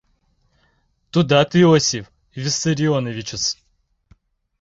Тудат Иосиф Виссарионовичыс!